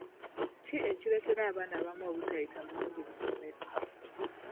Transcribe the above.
Ki ekireetera abaana abamu obutayita bulungi mu ssomero?